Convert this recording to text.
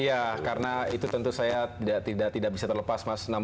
iya karena itu tentu saya tidak bisa terlepas mas